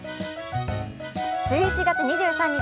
１１月２３日